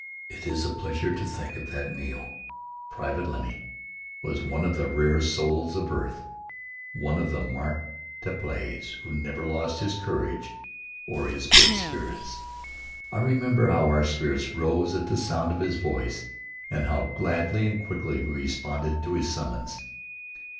It is a pleasure to think of that meal. Private Lemley was one of the rare souls of earth, one of the Mark Tapleys who never lost his courage or his good spirits. I remember how our spirits rose at the sound of his voice, and how gladly and quickly we responded to his summons.